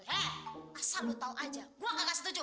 asal lo tau aja gua gak setuju